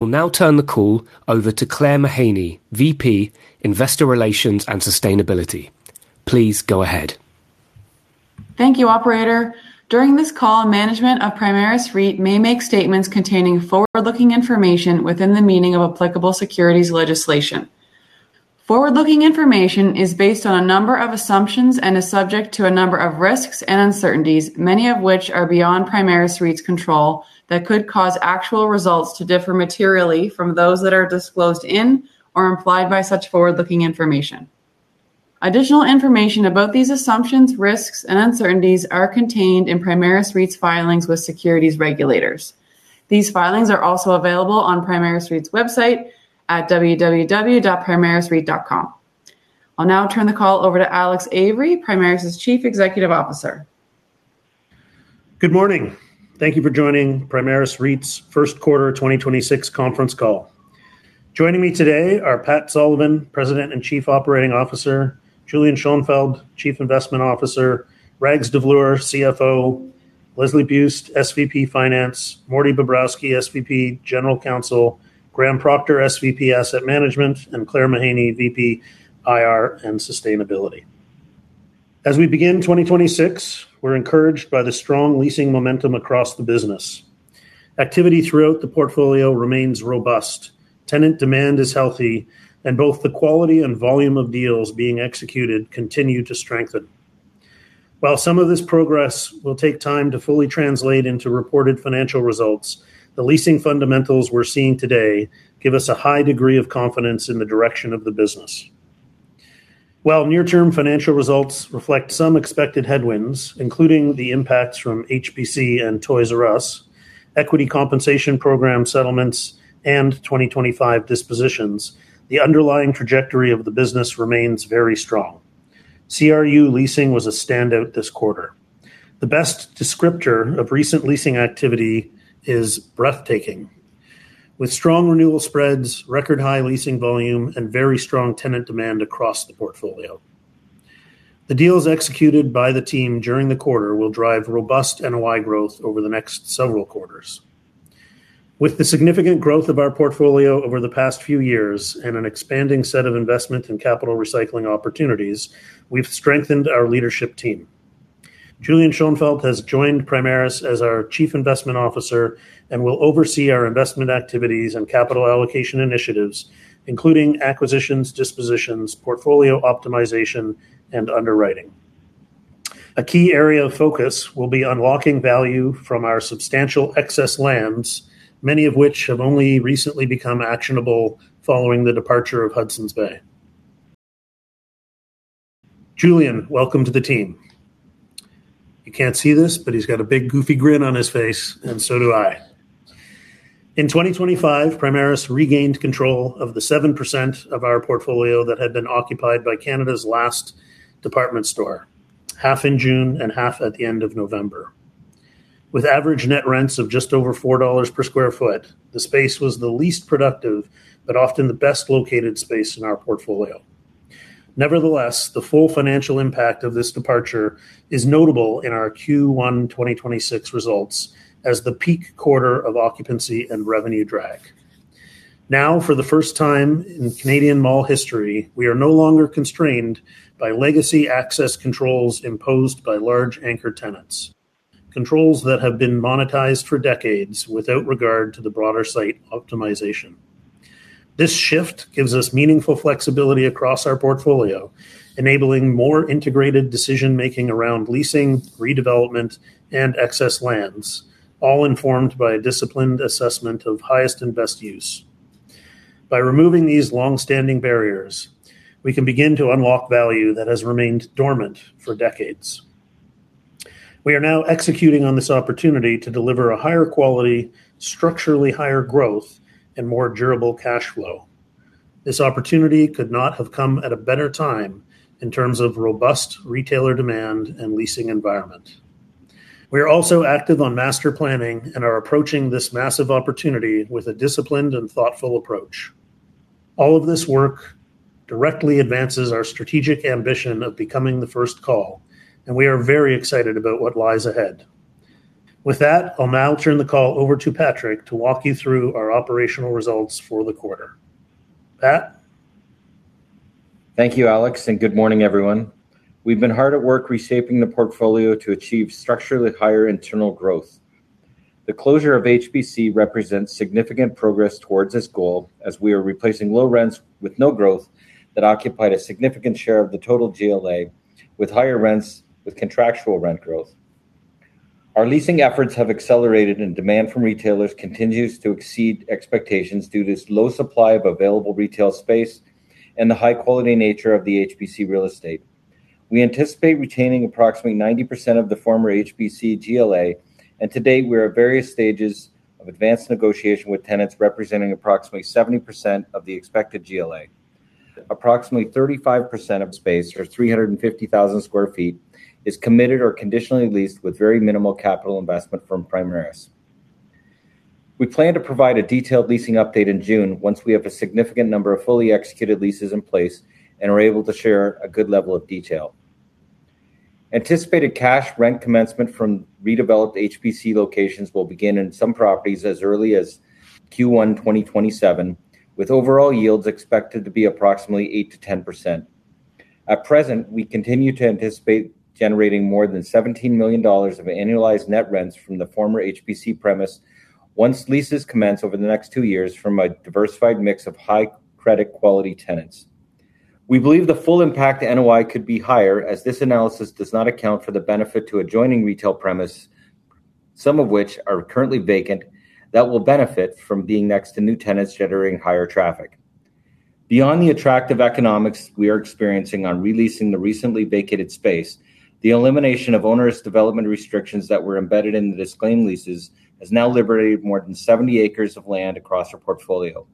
We'll now turn the call over to Claire Mahaney, VP, Investor Relations and Sustainability. Please go ahead. Thank you, operator. During this call, management of Primaris REIT may make statements containing forward-looking information within the meaning of applicable securities legislation. Forward-looking information is based on a number of assumptions and is subject to a number of risks and uncertainties, many of which are beyond Primaris REIT's control, that could cause actual results to differ materially from those that are disclosed in or implied by such forward-looking information. Additional information about these assumptions, risks, and uncertainties are contained in Primaris REIT's filings with securities regulators. These filings are also available on Primaris REIT's website at www.primarisreit.com. I'll now turn the call over to Alex Avery, Primaris' Chief Executive Officer. Good morning. Thank you for joining Primaris REIT's first quarter 2026 conference call. Joining me today are Patrick Sullivan, President and Chief Operating Officer, Julian Schonfeldt, Chief Investment Officer, Rags Davloor, CFO, Leslie Buist, SVP Finance, Mordy Bobrowsky, SVP General Counsel, Graham Procter, SVP Asset Management, and Claire Mahaney, VP IR and Sustainability. As we begin 2026, we're encouraged by the strong leasing momentum across the business. Activity throughout the portfolio remains robust. Tenant demand is healthy, and both the quality and volume of deals being executed continue to strengthen. While some of this progress will take time to fully translate into reported financial results, the leasing fundamentals we're seeing today give us a high degree of confidence in the direction of the business. While near-term financial results reflect some expected headwinds, including the impacts from HBC and Toys R Us, equity compensation program settlements, and 2025 dispositions, the underlying trajectory of the business remains very strong. CRU leasing was a standout this quarter. The best descriptor of recent leasing activity is breathtaking, with strong renewal spreads, record high leasing volume, and very strong tenant demand across the portfolio. The deals executed by the team during the quarter will drive robust NOI growth over the next several quarters. With the significant growth of our portfolio over the past few years and an expanding set of investment and capital recycling opportunities, we've strengthened our leadership team. Julian Schonfeldt has joined Primaris as our Chief Investment Officer and will oversee our investment activities and capital allocation initiatives, including acquisitions, dispositions, portfolio optimization, and underwriting. A key area of focus will be unlocking value from our substantial excess lands, many of which have only recently become actionable following the departure of Hudson's Bay. Julian, welcome to the team. You can't see this, but he's got a big goofy grin on his face, and so do I. In 2025, Primaris regained control of the 7% of our portfolio that had been occupied by Canada's last department store, half in June and half at the end of November. With average net rents of just over 4 dollars per sq ft, the space was the least productive but often the best-located space in our portfolio. Nevertheless, the full financial impact of this departure is notable in our Q1 2026 results as the peak quarter of occupancy and revenue drag. Now, for the first time in Canadian mall history, we are no longer constrained by legacy access controls imposed by large anchor tenants, controls that have been monetized for decades without regard to the broader site optimization. This shift gives us meaningful flexibility across our portfolio, enabling more integrated decision-making around leasing, redevelopment, and excess lands, all informed by a disciplined assessment of highest and best use. By removing these long-standing barriers, we can begin to unlock value that has remained dormant for decades. We are now executing on this opportunity to deliver a higher quality, structurally higher growth, and more durable cash flow. This opportunity could not have come at a better time in terms of robust retailer demand and leasing environment. We are also active on master planning and are approaching this massive opportunity with a disciplined and thoughtful approach. All of this work directly advances our strategic ambition of becoming the first call. We are very excited about what lies ahead. With that, I'll now turn the call over to Patrick to walk you through our operational results for the quarter. Pat? Thank you, Alex, and good morning, everyone. We've been hard at work reshaping the portfolio to achieve structurally higher internal growth. The closure of HBC represents significant progress towards this goal, as we are replacing low rents with no growth that occupied a significant share of the total GLA with higher rents with contractual rent growth. Our leasing efforts have accelerated, and demand from retailers continues to exceed expectations due to this low supply of available retail space and the high-quality nature of the HBC real estate. We anticipate retaining approximately 90% of the former HBC GLA, and today we are at various stages of advanced negotiation with tenants representing approximately 70% of the expected GLA. Approximately 35% of space or 350,000 sq ft is committed or conditionally leased with very minimal capital investment from Primaris. We plan to provide a detailed leasing update in June once we have a significant number of fully executed leases in place and are able to share a good level of detail. Anticipated cash rent commencement from redeveloped HBC locations will begin in some properties as early as Q1 2027, with overall yields expected to be approximately 8%-10%. At present, we continue to anticipate generating more than 17 million dollars of annualized net rents from the former HBC premise once leases commence over the next two years from a diversified mix of high credit quality tenants. We believe the full impact to NOI could be higher, as this analysis does not account for the benefit to adjoining retail premise, some of which are currently vacant, that will benefit from being next to new tenants generating higher traffic. Beyond the attractive economics we are experiencing on re-leasing the recently vacated space, the elimination of onerous development restrictions that were embedded in the disclaimed leases has now liberated more than 70 acres of land across our portfolio.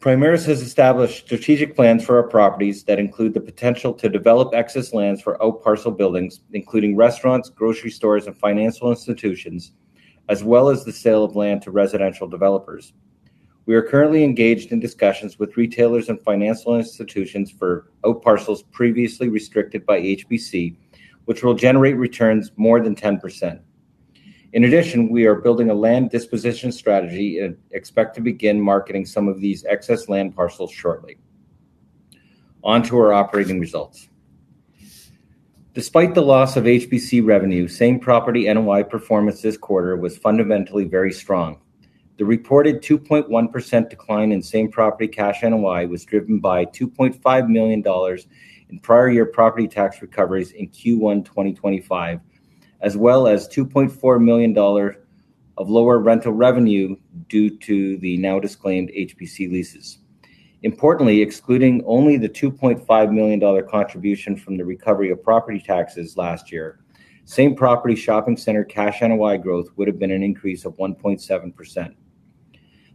Primaris has established strategic plans for our properties that include the potential to develop excess lands for outparcel buildings, including restaurants, grocery stores, and financial institutions, as well as the sale of land to residential developers. We are currently engaged in discussions with retailers and financial institutions for outparcels previously restricted by HBC, which will generate returns more than 10%. In addition, we are building a land disposition strategy and expect to begin marketing some of these excess land parcels shortly. On to our operating results. Despite the loss of HBC revenue, same-property NOI performance this quarter was fundamentally very strong. The reported 2.1% decline in same-property cash NOI was driven by 2.5 million dollars in prior year property tax recoveries in Q1 2025, as well as 2.4 million dollars of lower rental revenue due to the now disclaimed HBC leases. Importantly, excluding only the 2.5 million dollar contribution from the recovery of property taxes last year, same-property shopping center cash NOI growth would have been an increase of 1.7%.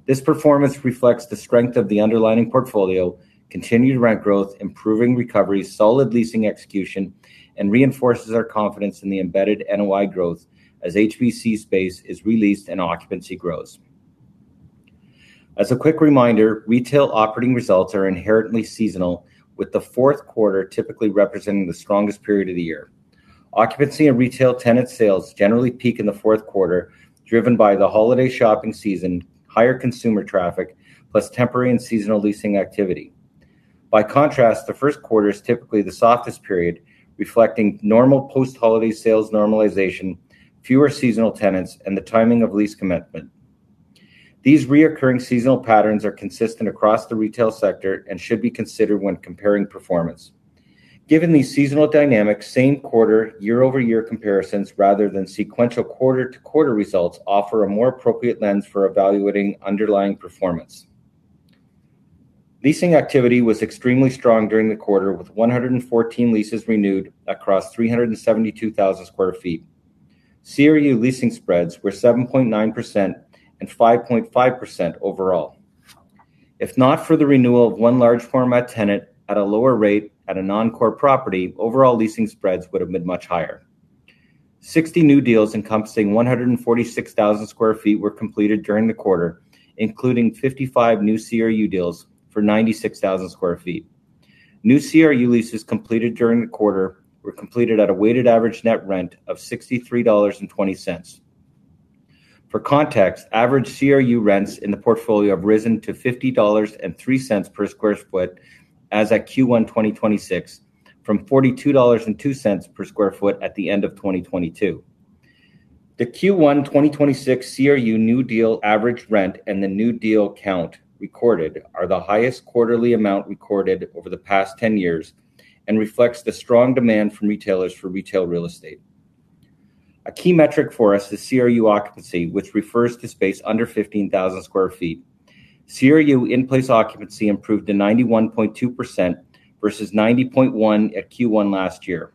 This performance reflects the strength of the underlying portfolio, continued rent growth, improving recovery, solid leasing execution, and reinforces our confidence in the embedded NOI growth as HBC space is released and occupancy grows. As a quick reminder, retail operating results are inherently seasonal, with the fourth quarter typically representing the strongest period of the year. Occupancy and retail tenant sales generally peak in the fourth quarter, driven by the holiday shopping season, higher consumer traffic, plus temporary and seasonal leasing activity. By contrast, the first quarter is typically the softest period, reflecting normal post-holiday sales normalization, fewer seasonal tenants, and the timing of lease commitment. These recurring seasonal patterns are consistent across the retail sector and should be considered when comparing performance. Given these seasonal dynamics, same quarter, year-over-year comparisons rather than sequential quarter-to-quarter results offer a more appropriate lens for evaluating underlying performance. Leasing activity was extremely strong during the quarter, with 114 leases renewed across 372,000 sq ft. CRU leasing spreads were 7.9% and 5.5% overall. If not for the renewal of one large format tenant at a lower rate at a non-core property, overall leasing spreads would have been much higher. 60 new deals encompassing 146,000 sq ft were completed during the quarter, including 55 new CRU deals for 96,000 sq ft. New CRU leases completed during the quarter were completed at a weighted average net rent of 63.20 dollars. For context, average CRU rents in the portfolio have risen to 50.03 dollars per sq ft as at Q1 2026 from 42.02 dollars per sq ft at the end of 2022. The Q1 2026 CRU new deal average rent and the new deal count recorded are the highest quarterly amount recorded over the past 10 years and reflects the strong demand from retailers for retail real estate. A key metric for us is CRU occupancy, which refers to space under 15,000 sq ft. CRU in-place occupancy improved to 91.2% versus 90.1 at Q1 last year.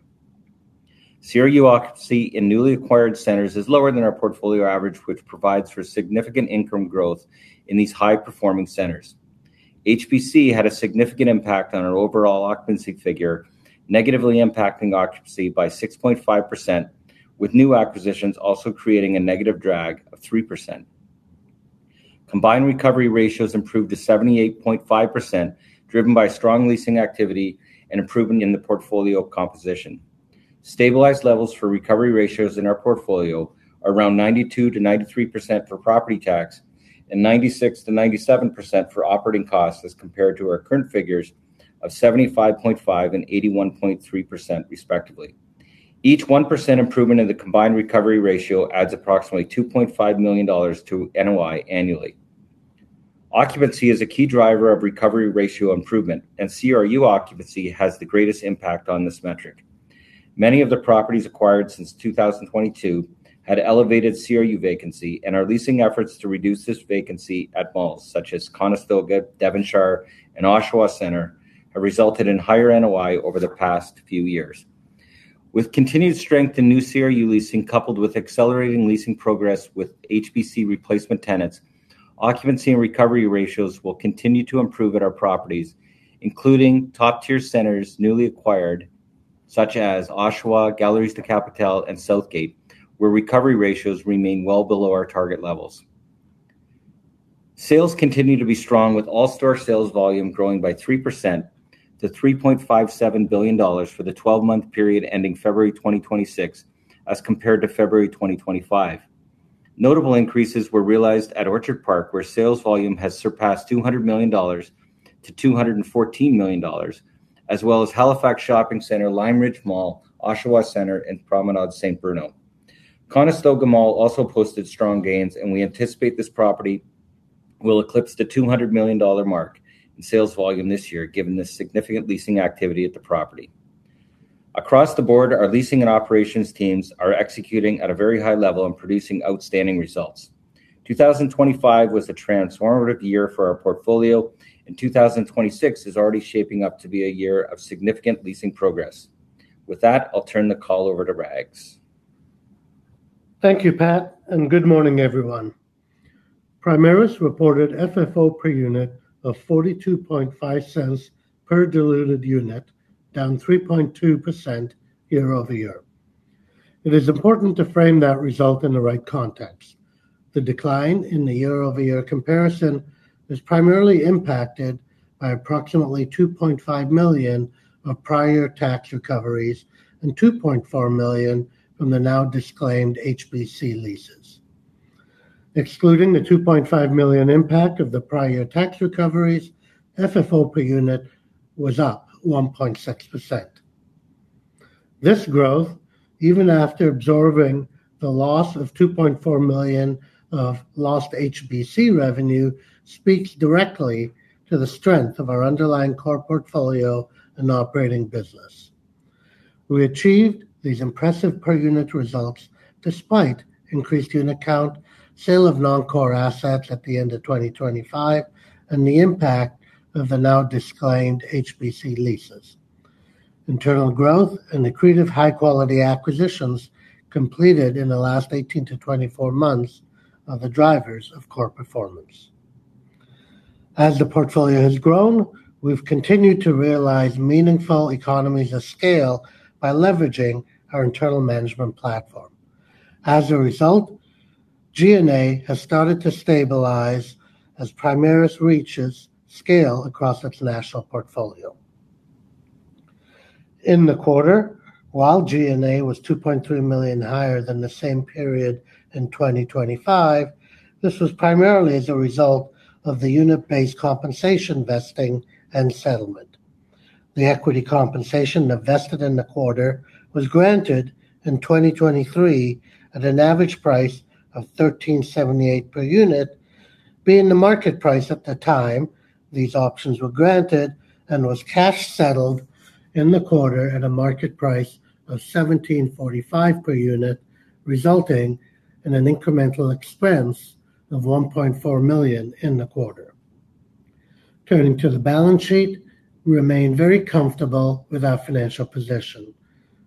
CRU occupancy in newly acquired centers is lower than our portfolio average, which provides for significant income growth in these high-performing centers. HBC had a significant impact on our overall occupancy figure, negatively impacting occupancy by 6.5%, with new acquisitions also creating a negative drag of 3%. Combined recovery ratios improved to 78.5%, driven by strong leasing activity and improvement in the portfolio composition. Stabilized levels for recovery ratios in our portfolio are around 92%-93% for property tax and 96%-97% for operating costs as compared to our current figures of 75.5 and 81.3% respectively. Each 1% improvement in the combined recovery ratio adds approximately 2.5 million dollars to NOI annually. Occupancy is a key driver of recovery ratio improvement, and CRU occupancy has the greatest impact on this metric. Many of the properties acquired since 2022 had elevated CRU vacancy, and our leasing efforts to reduce this vacancy at malls such as Conestoga, Devonshire, and Oshawa Centre have resulted in higher NOI over the past few years. With continued strength in new CRU leasing coupled with accelerating leasing progress with HBC replacement tenants, occupancy and recovery ratios will continue to improve at our properties, including top-tier centers newly acquired such as Oshawa, Galeries de la Capitale, and Southgate, where recovery ratios remain well below our target levels. Sales continue to be strong with all store sales volume growing by 3% to 3.57 billion dollars for the 12-month period ending February 2026 as compared to February 2025. Notable increases were realized at Orchard Park, where sales volume has surpassed 200 million dollars to 214 million dollars, as well as Halifax Shopping Center, Lime Ridge Mall, Oshawa Centre, and Promenades St-Bruno. Conestoga Mall also posted strong gains, and we anticipate this property will eclipse the 200 million dollar mark in sales volume this year, given the significant leasing activity at the property. Across the board, our leasing and operations teams are executing at a very high level and producing outstanding results. 2025 was a transformative year for our portfolio, and 2026 is already shaping up to be a year of significant leasing progress. With that, I'll turn the call over to Rags. Thank you, Pat, and good morning, everyone. Primaris reported FFO per unit of 0.425 per diluted unit, down 3.2% year-over-year. It is important to frame that result in the right context. The decline in the year-over-year comparison is primarily impacted by approximately 2.5 million of prior tax recoveries and 2.4 million from the now disclaimed HBC leases. Excluding the 2.5 million impact of the prior tax recoveries, FFO per unit was up 1.6%. This growth, even after absorbing the loss of 2.4 million of lost HBC revenue, speaks directly to the strength of our underlying core portfolio and operating business. We achieved these impressive per unit results despite increased unit count, sale of non-core assets at the end of 2025, and the impact of the now disclaimed HBC leases. Internal growth and accretive high-quality acquisitions completed in the last 18-24 months are the drivers of core performance. As the portfolio has grown, we've continued to realize meaningful economies of scale by leveraging our internal management platform. As a result, G&A has started to stabilize as Primaris reaches scale across its national portfolio. In the quarter, while G&A was 2.3 million higher than the same period in 2025, this was primarily as a result of the unit-based compensation vesting and settlement. The equity compensation that vested in the quarter was granted in 2023 at an average price of 13.78 per unit, being the market price at the time these options were granted and was cash settled in the quarter at a market price of 17.45 per unit, resulting in an incremental expense of 1.4 million in the quarter. Turning to the balance sheet, we remain very comfortable with our financial position.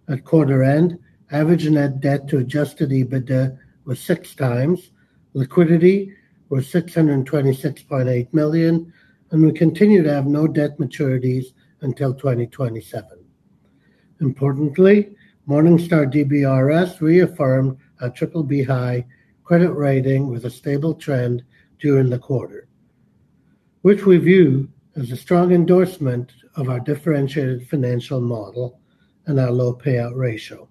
At quarter end, average net debt to adjusted EBITDA was 6x, liquidity was 626.8 million, and we continue to have no debt maturities until 2027. Importantly, Morningstar DBRS reaffirmed our BBB high credit rating with a stable trend during the quarter, which we view as a strong endorsement of our differentiated financial model and our low payout ratio.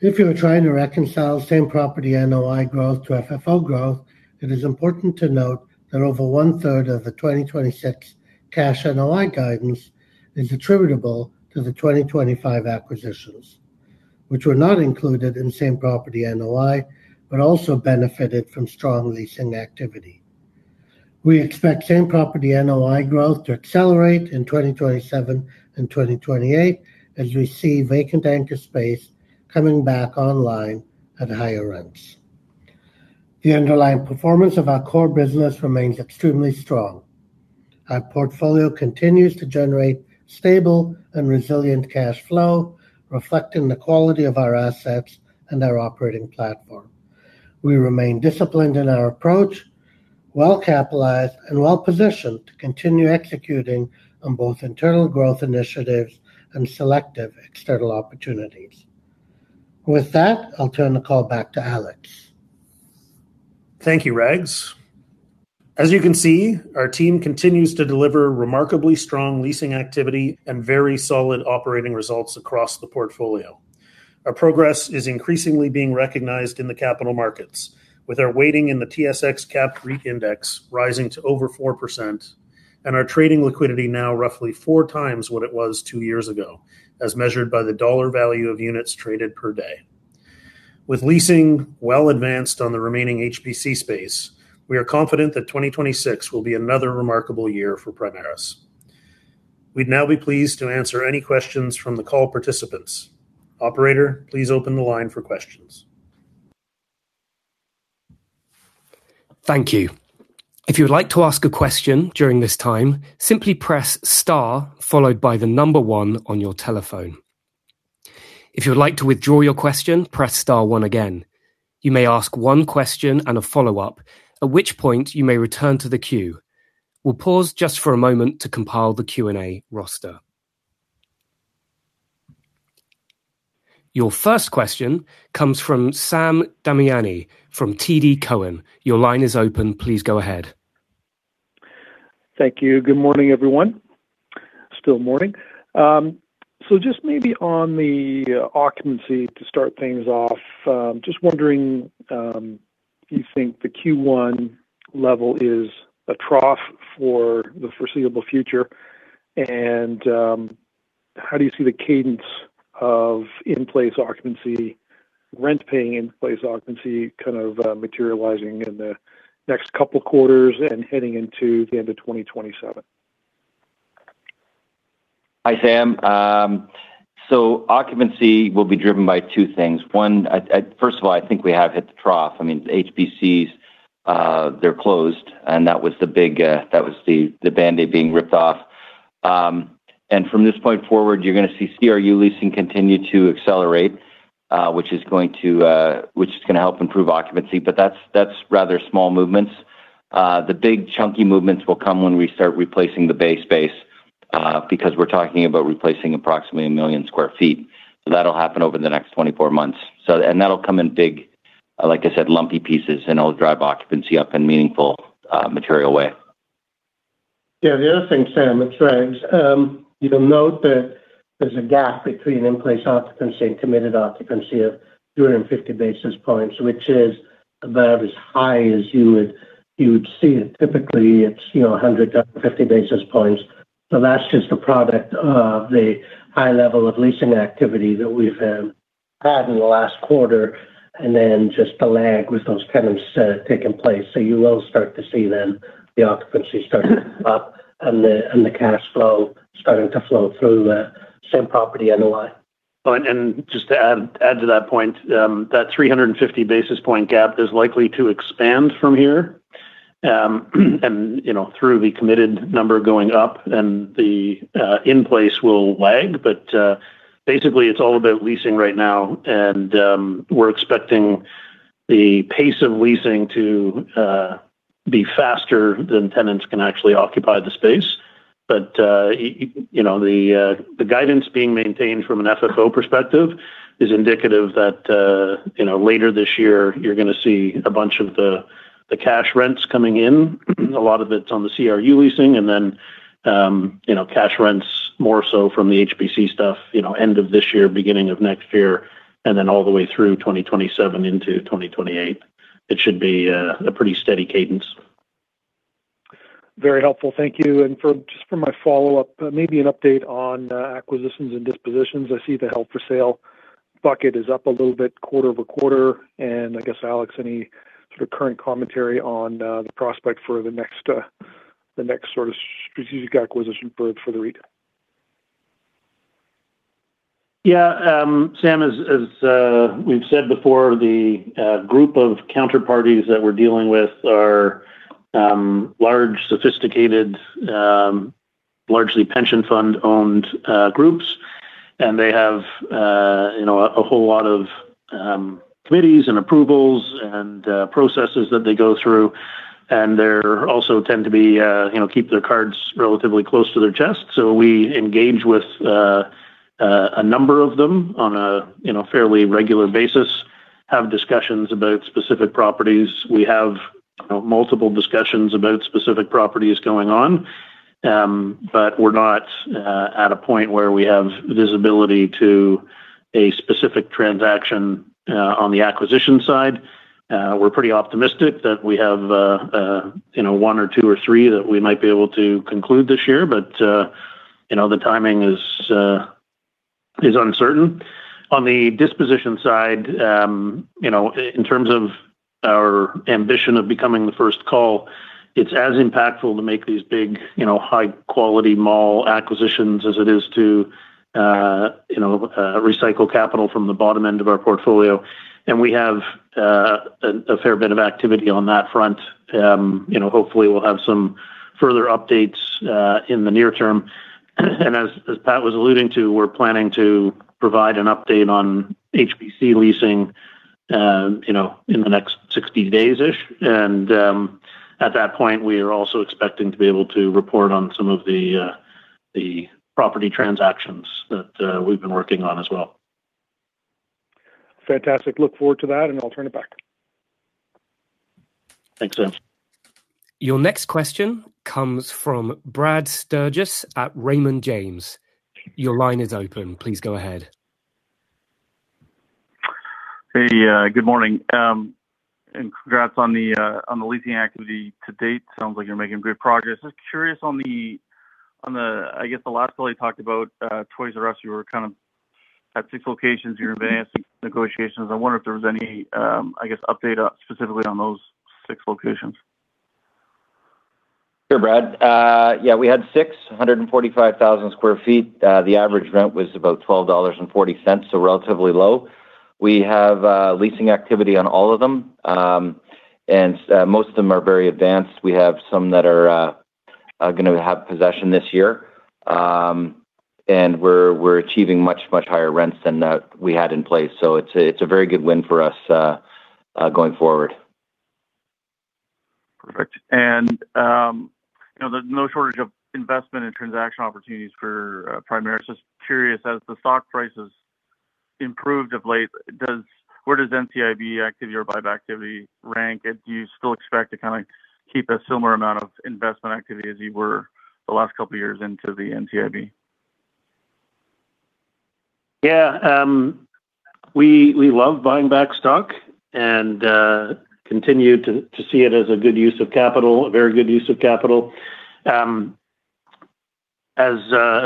If you are trying to reconcile same-property NOI growth to FFO growth, it is important to note that over one-third of the 2026 cash NOI guidance is attributable to the 2025 acquisitions, which were not included in same-property NOI but also benefited from strong leasing activity. We expect same-property NOI growth to accelerate in 2027 and 2028 as we see vacant anchor space coming back online at higher rents. The underlying performance of our core business remains extremely strong. Our portfolio continues to generate stable and resilient cash flow, reflecting the quality of our assets and our operating platform. We remain disciplined in our approach, well-capitalized and well-positioned to continue executing on both internal growth initiatives and selective external opportunities. With that, I'll turn the call back to Alex. Thank you, Rags. As you can see, our team continues to deliver remarkably strong leasing activity and very solid operating results across the portfolio. Our progress is increasingly being recognized in the capital markets, with our weighting in the TSX Cap REIT Index rising to over 4% and our trading liquidity now roughly 4x what it was two years ago as measured by the dollar value of units traded per day. With leasing well advanced on the remaining HBC space, we are confident that 2026 will be another remarkable year for Primaris. We'd now be pleased to answer any questions from the call participants. Operator, please open the line for questions. Thank you. If you would like to ask a question during this time, simply press star followed by the number one on your telephone. If you would like to withdraw your question, press star one again. You may ask one question and a follow-up, at which point you may return to the queue. We'll pause just for a moment to compile the Q&A roster. Your first question comes from Sam Damiani from TD Cowen. Your line is open. Please go ahead. Thank you. Good morning, everyone. Still morning. Just maybe on the occupancy to start things off, just wondering, do you think the Q1 level is a trough for the foreseeable future, and how do you see the cadence of in-place occupancy, rent-paying in-place occupancy kind of materializing in the next couple quarters and heading into the end of 2027? Hi, Sam. Occupancy will be driven by two things. One, first of all, I think we have hit the trough. I mean, HBCs, they're closed, and that was the big, that was the Band-Aid being ripped off. From this point forward, you're gonna see CRU leasing continue to accelerate, which is going to, which is gonna help improve occupancy. That's rather small movements. The big chunky movements will come when we start replacing the Hudson's Bay space, because we're talking about replacing approximately 1 million sq ft. That'll happen over the next 24 months. That'll come in big, like I said, lumpy pieces, and it'll drive occupancy up in meaningful, material way. The other thing, Sam, which is, you'll note that there's a gap between in-place occupancy and committed occupancy of 250 basis points, which is about as high as you would see it. Typically, it's, you know, 150 basis points. That's just a product of the high level of leasing activity that we've had in the last quarter and then just the lag with those tenants taking place. You will start to see then the occupancy starting to pop and the cash flow starting to flow through the same property NOI. Just to add to that point, that 350 basis point gap is likely to expand from here, and, you know, through the committed number going up, and the in-place will lag. Basically, it's all about leasing right now. We're expecting the pace of leasing to be faster than tenants can actually occupy the space. You know, the guidance being maintained from an FFO perspective is indicative that, you know, later this year you're gonna see a bunch of the cash rents coming in. A lot of it's on the CRU leasing, you know, cash rents more so from the HBC stuff, you know, end of this year, beginning of next year, and then all the way through 2027 into 2028. It should be a pretty steady cadence. Very helpful, thank you. For, just for my follow-up, maybe an update on acquisitions and dispositions. I see the held for sale bucket is up a little bit quarter-over-quarter. I guess, Alex, any sort of current commentary on the prospect for the next, the next sort of strategic acquisition for the REIT? Yeah. Sam, as we've said before, the group of counterparties that we're dealing with are large, sophisticated, largely pension fund-owned groups. They have, you know, a whole lot of committees and approvals and processes that they go through. They're also tend to be, you know, keep their cards relatively close to their chest. We engage with a number of them on a, you know, fairly regular basis, have discussions about specific properties. We have, you know, multiple discussions about specific properties going on. We're not at a point where we have visibility to a specific transaction on the acquisition side. We're pretty optimistic that we have, you know, one or two or three that we might be able to conclude this year. You know, the timing is uncertain. On the disposition side, you know, in terms of our ambition of becoming the first call, it's as impactful to make these big, you know, high quality mall acquisitions as it is to, you know, recycle capital from the bottom end of our portfolio. We have a fair bit of activity on that front. You know, hopefully we'll have some further updates in the near term. As Pat was alluding to, we're planning to provide an update on HBC leasing, you know, in the next 60 days-ish. At that point, we are also expecting to be able to report on some of the property transactions that we've been working on as well. Fantastic. Look forward to that, and I'll turn it back. Thanks, Sam. Your next question comes from Brad Sturges at Raymond James. Your line is open. Please go ahead. Hey, good morning. Congrats on the leasing activity to date. Sounds like you're making great progress. I'm curious on the last call you talked about Toys R Us, you were kind of at six locations, you were advancing negotiations. I wonder if there was any update specifically on those six locations. Sure, Brad. Yeah, we had 645,000 sq ft. The average rent was about 12.40 dollars, relatively low. We have leasing activity on all of them. Most of them are very advanced. We have some that are gonna have possession this year. We're achieving much, much higher rents than we had in place. It's a very good win for us, going forward. You know, there's no shortage of investment and transaction opportunities for Primaris. Just curious, as the stock price has improved of late, where does NCIB activity or buyback activity rank? Do you still expect to kind of keep a similar amount of investment activity as you were the last couple of years into the NCIB? Yeah. We love buying back stock and continue to see it as a good use of capital, a very good use of capital. As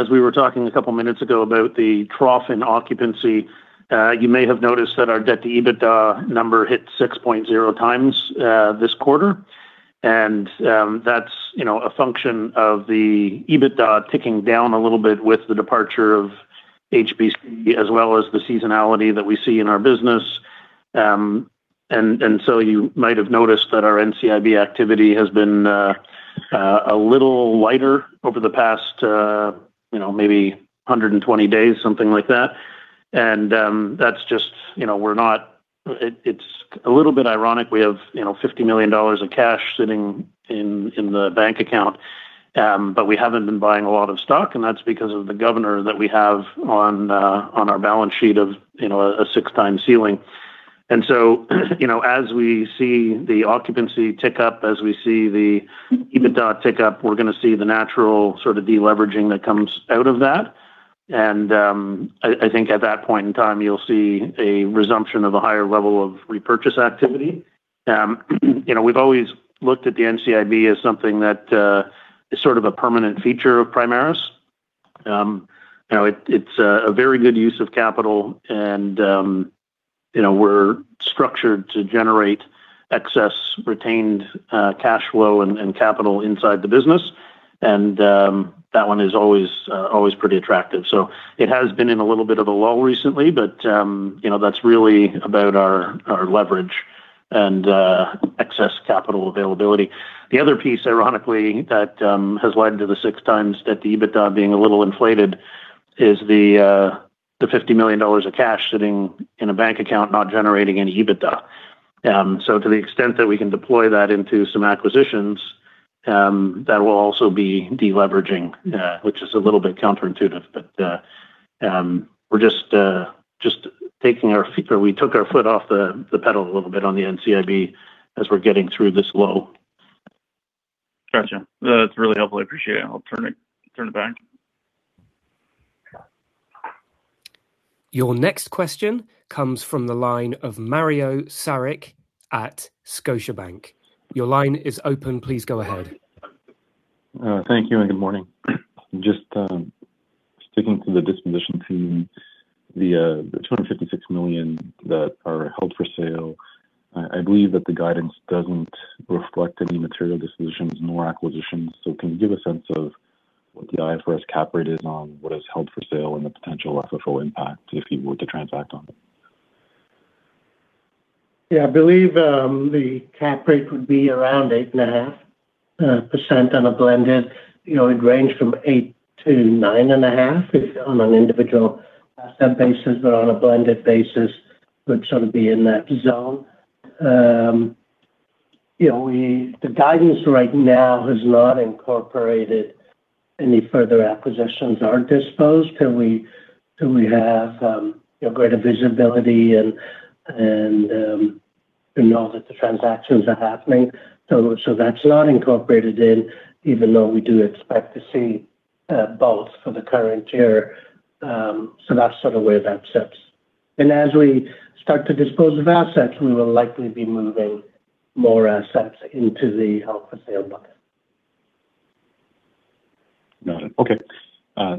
we were talking a couple of minutes ago about the trough in occupancy, you may have noticed that our debt-to-EBITDA number hit 6.0x this quarter. That's, you know, a function of the EBITDA ticking down a little bit with the departure of HBC, as well as the seasonality that we see in our business. So you might have noticed that our NCIB activity has been a little lighter over the past, you know, maybe 120 days, something like that. That's just, you know, it's a little bit ironic. We have, you know, 50 million dollars of cash sitting in the bank account, We haven't been buying a lot of stock, That's because of the governor that we have on our balance sheet of, you know, a 6-time ceiling. You know, as we see the occupancy tick up, as we see the EBITDA tick up, we're gonna see the natural sort of de-leveraging that comes out of that. I think at that point in time you'll see a resumption of a higher level of repurchase activity. You know, we've always looked at the NCIB as something that is sort of a permanent feature of Primaris. You know, it's a very good use of capital and, you know, we're structured to generate excess retained cash flow and capital inside the business and that one is always pretty attractive. It has been in a little bit of a lull recently but, you know, that's really about our leverage and excess capital availability. The other piece, ironically, that has led to the 6x debt-to-EBITDA being a little inflated is the 50 million dollars of cash sitting in a bank account not generating any EBITDA. To the extent that we can deploy that into some acquisitions, that will also be de-leveraging, which is a little bit counterintuitive. We took our foot off the pedal a little bit on the NCIB as we're getting through this lull. Gotcha. That's really helpful. I appreciate it. I'll turn it back. Your next question comes from the line of Mario Saric at Scotiabank. Your line is open. Please go ahead. Thank you and good morning. Just sticking to the disposition theme, the 256 million that are held for sale, I believe that the guidance doesn't reflect any material dispositions nor acquisitions. Can you give a sense of what the IFRS cap rate is on what is held for sale and the potential FFO impact if you were to transact on them? Yeah. I believe, the cap rate would be around 8.5% on a blended. You know, it ranged from 8-9.5 if on an individual asset basis, but on a blended basis would sort of be in that zone. You know, the guidance right now has not incorporated any further acquisitions or disposed till we, till we have, you know, greater visibility and, we know that the transactions are happening. So that's not incorporated in, even though we do expect to see both for the current year. That's sort of where that sits. As we start to dispose of assets, we will likely be moving more assets into the held for sale bucket. Got it. Okay.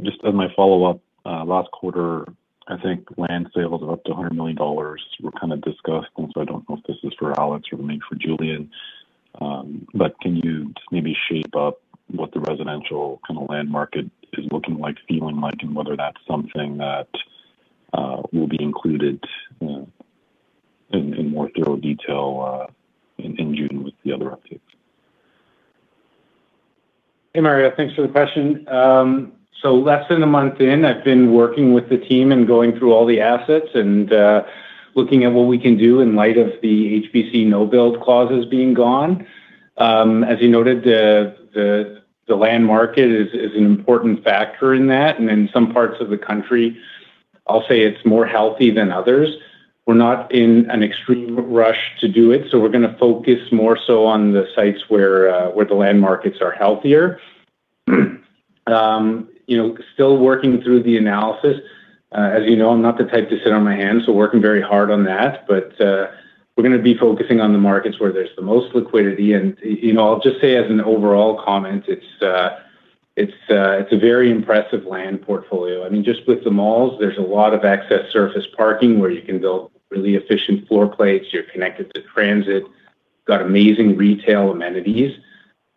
Just as my follow-up, last quarter, I think land sales of up to 100 million dollars were kind of discussed. I don't know if this is for Alex or maybe for Julian. Can you maybe shape up what the residential kind of land market is looking like, feeling like, and whether that's something that will be included in more thorough detail in June with the other updates? Hey, Mario, thanks for the question. Less than a month in, I've been working with the team and going through all the assets and looking at what we can do in light of the HBC no-build clauses being gone. As you noted, the land market is an important factor in that. In some parts of the country, I'll say it's more healthy than others. We're not in an extreme rush to do it, so we're gonna focus more so on the sites where the land markets are healthier. You know, still working through the analysis. As you know, I'm not the type to sit on my hands, so working very hard on that. We're gonna be focusing on the markets where there's the most liquidity. You know, I'll just say as an overall comment, it's a very impressive land portfolio. I mean, just with the malls, there's a lot of excess surface parking where you can build really efficient floor plates. You're connected to transit. Got amazing retail amenities.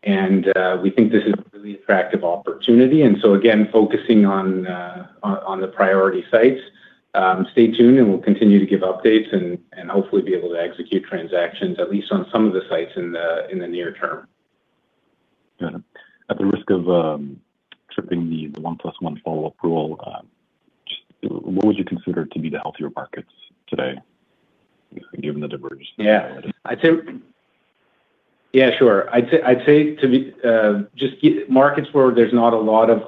We think this is a really attractive opportunity. Again, focusing on the priority sites. Stay tuned, and we'll continue to give updates and hopefully be able to execute transactions at least on some of the sites in the near term. Got it. At the risk of tripping the one-plus-one follow-up rule, what would you consider to be the healthier markets today given the divergence? Yeah. I'd say, Yeah, sure. I'd say, I'd say to be, just markets where there's not a lot of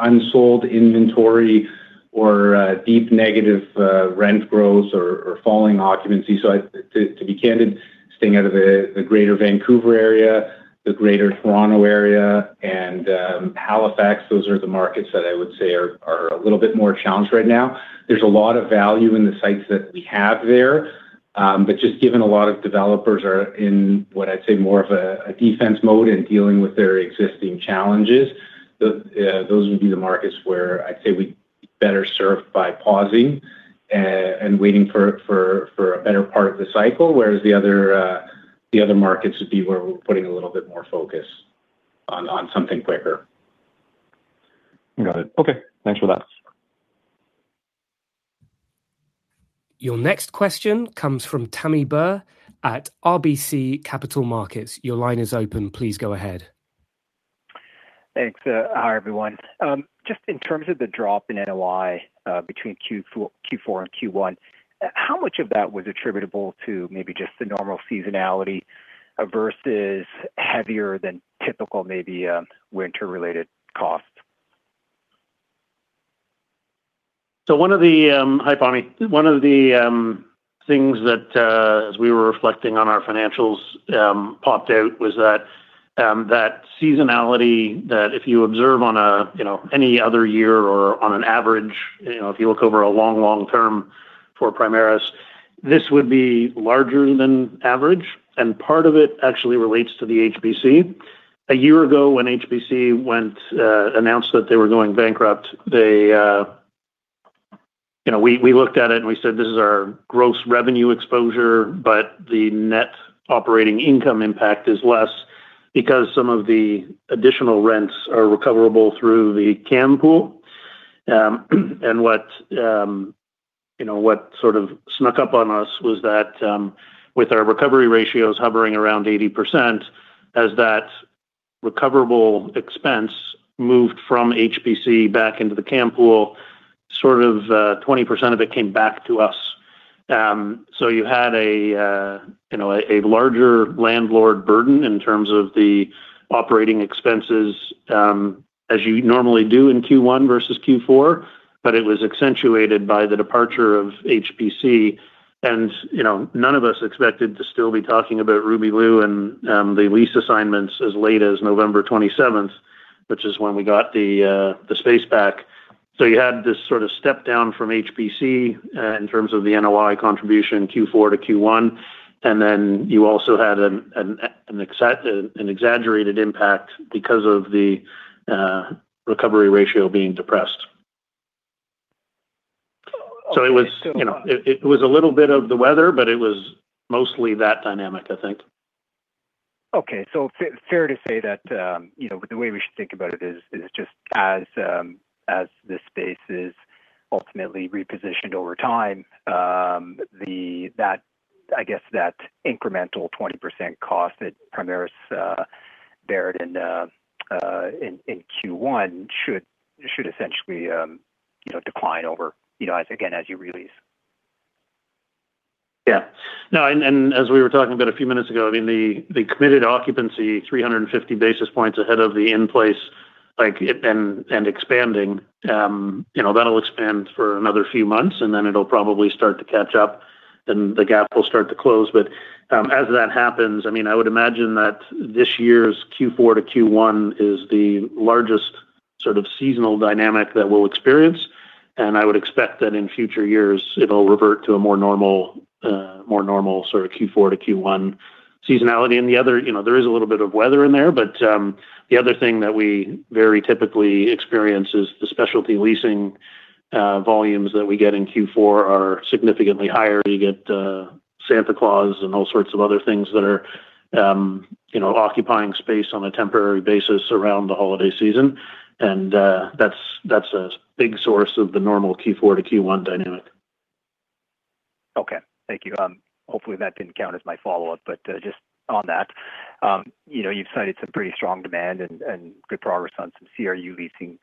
unsold inventory or deep negative rent growth or falling occupancy. To be candid, staying out of the greater Vancouver area, the greater Toronto area, and Halifax. Those are the markets that I would say are a little bit more challenged right now. There's a lot of value in the sites that we have there. Just given a lot of developers are in what I'd say more of a defense mode in dealing with their existing challenges, those would be the markets where I'd say we're better served by pausing and waiting for a better part of the cycle. Whereas the other, the other markets would be where we're putting a little bit more focus on something quicker. Got it. Okay. Thanks for that. Your next question comes from Pammi Bir at RBC Capital Markets. Your line is open. Please go ahead. Thanks. Hi, everyone. Just in terms of the drop in NOI, between Q4 and Q1, how much of that was attributable to maybe just the normal seasonality, versus heavier than typical maybe, winter related costs? Hi, Pammi. One of the things that, as we were reflecting on our financials, popped out was that seasonality that if you observe on a, you know, any other year or on an average, you know, if you look over a long, long term for Primaris, this would be larger than average. And part of it actually relates to the HBC. A year ago when HBC went, announced that they were going bankrupt, they, you know, we looked at it and we said, "This is our gross revenue exposure, but the net operating income impact is less because some of the additional rents are recoverable through the CAM pool." What, you know, what sort of snuck up on us was that, with our recovery ratios hovering around 80% as that recoverable expense moved from HBC back into the CAM pool, sort of, 20% of it came back to us. You had a, you know, a larger landlord burden in terms of the operating expenses, as you normally do in Q1 versus Q4, but it was accentuated by the departure of HBC. You know, none of us expected to still be talking about Ruby Liu and the lease assignments as late as November 7, which is when we got the space back. You had this sort of step down from HBC in terms of the NOI contribution Q4 to Q1, and then you also had an exaggerated impact because of the recovery ratio being depressed. Okay. It was, you know, it was a little bit of the weather, but it was mostly that dynamic, I think. Fair to say that, you know, the way we should think about it is just as this space is ultimately repositioned over time, that, I guess, that incremental 20% cost that Primaris beared in Q1 should essentially, you know, decline over, you know, as, again, as you release. Yeah. No, as we were talking about a few minutes ago, I mean, the committed occupancy, 350 basis points ahead of the in-place like it and expanding, you know, that'll expand for another few months, then it'll probably start to catch up, and the gap will start to close. As that happens, I mean, I would imagine that this year's Q4 to Q1 is the largest sort of seasonal dynamic that we'll experience. I would expect that in future years it'll revert to a more normal, more normal sort of Q4 to Q1 seasonality. The other, you know, there is a little bit of weather in there. The other thing that we very typically experience is the specialty leasing volumes that we get in Q4 are significantly higher. You get Santa Claus and all sorts of other things that are, you know, occupying space on a temporary basis around the holiday season. That's a big source of the normal Q4 to Q1 dynamic. Okay. Thank you. Hopefully that didn't count as my follow-up. Just on that, you know, you've cited some pretty strong demand and good progress on some CRU leasing.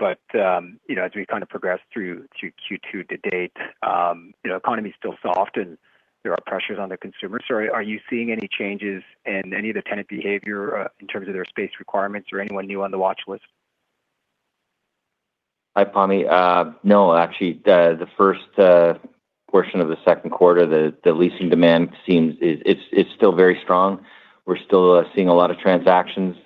You know, as we kind of progress through to Q2 to date, you know, economy is still soft and there are pressures on the consumer. Are you seeing any changes in any of the tenant behavior in terms of their space requirements or anyone new on the watch list? Hi, Pammi. No, actually, the first portion of the second quarter, the leasing demand seems it's still very strong. We're still seeing a lot of transactions,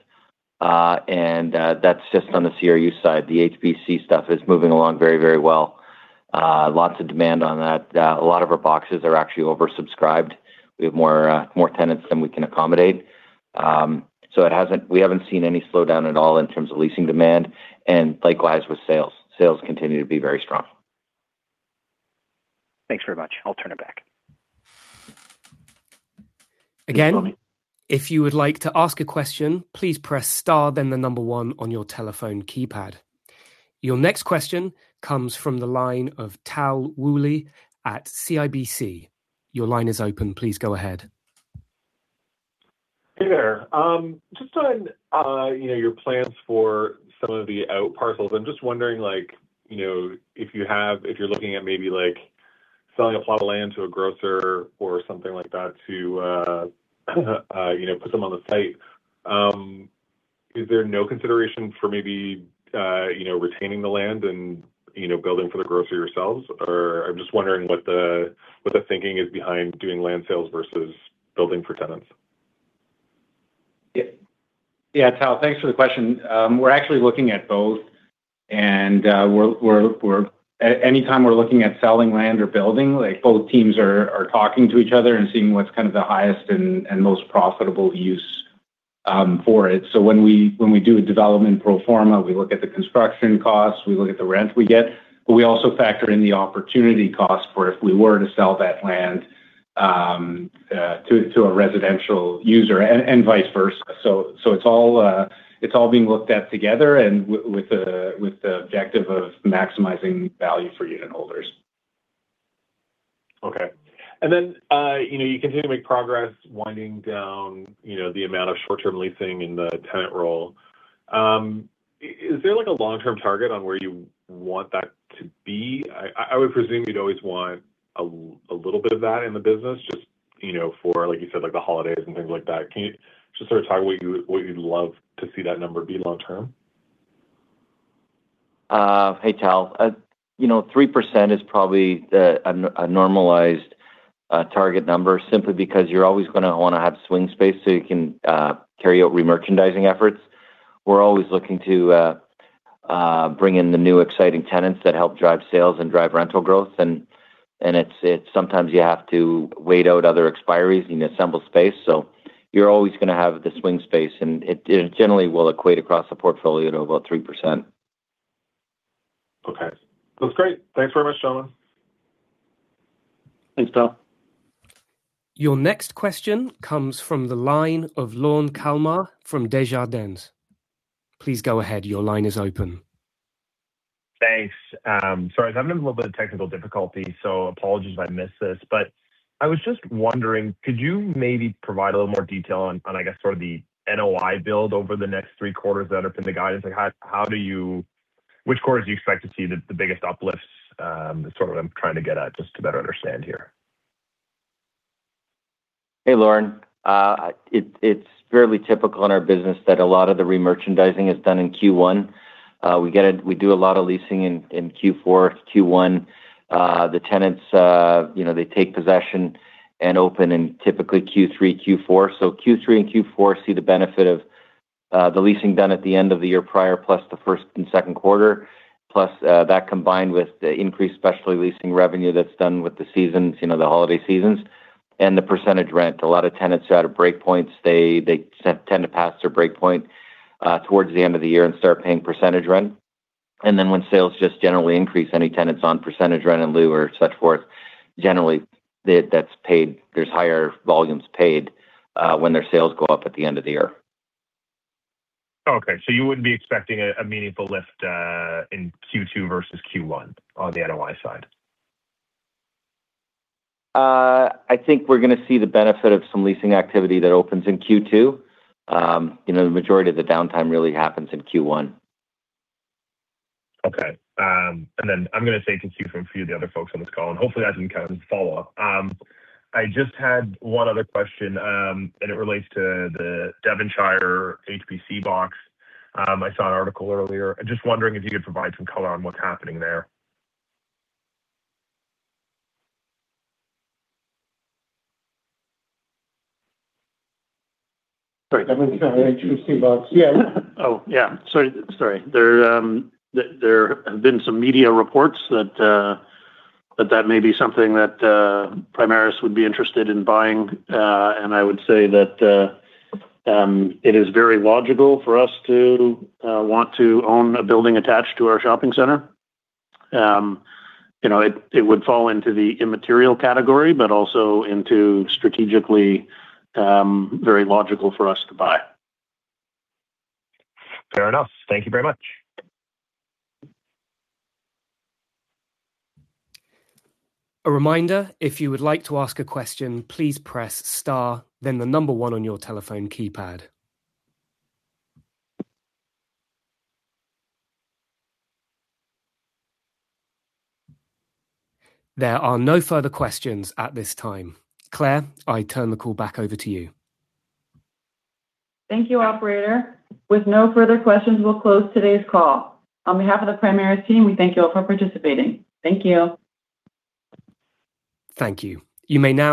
that's just on the CRU side. The HBC stuff is moving along very well. Lots of demand on that. A lot of our boxes are actually oversubscribed. We have more tenants than we can accommodate. We haven't seen any slowdown at all in terms of leasing demand, likewise with sales. Sales continue to be very strong. Thanks very much. I'll turn it back. Again- Thanks, Pammi. Your next question comes from the line of Tal Woolley at CIBC. Your line is open. Please go ahead. Hey there. Just on, you know, your plans for some of the outparcels. I'm just wondering, like, you know, if you're looking at maybe like selling a plot of land to a grocer or something like that to, you know, put some on the site. Is there no consideration for maybe, you know, retaining the land and, you know, building for the grocer yourselves? I'm just wondering what the, what the thinking is behind doing land sales versus building for tenants? Tal, thanks for the question. We're actually looking at both. Anytime we're looking at selling land or building, like, both teams are talking to each other and seeing what's kind of the highest and most profitable use for it. When we do a development pro forma, we look at the construction costs, we look at the rent we get, but we also factor in the opportunity cost for if we were to sell that land to a residential user and vice versa. It's all being looked at together and with the objective of maximizing value for unit holders. Okay. You know, you continue to make progress winding down, you know, the amount of short-term leasing in the tenant role. Is there like a long-term target on where you want that to be? I would presume you'd always want a little bit of that in the business just, you know, for, like you said, like the holidays and things like that. Can you just sort of talk what you'd love to see that number be long term? Hey, Tal. You know, 3% is probably the a normalized target number simply because you're always gonna wanna have swing space so you can carry out remerchandising efforts. We're always looking to bring in the new exciting tenants that help drive sales and drive rental growth. Sometimes you have to wait out other expiries and you assemble space, so you're always gonna have the swing space, and it generally will equate across the portfolio to about 3%. Okay. That's great. Thanks very much, Sullivan. Thanks, Tal. Your next question comes from the line of Lorne Kalmar from Desjardins. Please go ahead. Your line is open. Thanks. Sorry, I'm having a little bit of technical difficulty, so apologies if I miss this. I was just wondering, could you maybe provide a little more detail on I guess sort of the NOI build over the next three quarters that are in the guidance? Like how which quarters do you expect to see the biggest uplifts? That's sort of what I'm trying to get at just to better understand here. Hey, Lorne. It's fairly typical in our business that a lot of the remerchandising is done in Q1. We do a lot of leasing in Q4. Q1, the tenants, you know, they take possession and open in typically Q3, Q4. Q3 and Q4 see the benefit of the leasing done at the end of the year prior, plus the first and second quarter, plus that combined with the increased specialty leasing revenue that's done with the seasons, you know, the holiday seasons and the percentage rent. A lot of tenants who are at a break point, they tend to pass their break point towards the end of the year and start paying percentage rent. When sales just generally increase, any tenants on percentage rent and lieu or so forth, generally that's paid. There's higher volumes paid, when their sales go up at the end of the year. Okay. You wouldn't be expecting a meaningful lift in Q2 versus Q1 on the NOI side? I think we're gonna see the benefit of some leasing activity that opens in Q2. You know, the majority of the downtime really happens in Q1. Okay. I'm gonna save some time for a few of the other folks on this call, and hopefully I can follow up. I just had one other question, and it relates to the Devonshire HBC box. I saw an article earlier. I'm just wondering if you could provide some color on what's happening there. Sorry. Devonshire HBC box. Yeah. Oh, yeah. Sorry, sorry. There have been some media reports that that may be something that Primaris would be interested in buying. I would say that it is very logical for us to want to own a building attached to our shopping center. You know, it would fall into the immaterial category, but also into strategically very logical for us to buy. Fair enough. Thank you very much. Claire, I turn the call back over to you. Thank you, operator. With no further questions, we'll close today's call. On behalf of the Primaris team, we thank you all for participating. Thank you. Thank you. You may now dis-